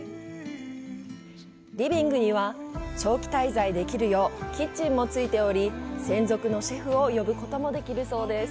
リビングには長期滞在できるようキッチンもついており専属のシェフを呼ぶこともできるそうです。